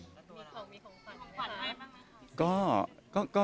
มีของให้บ้าง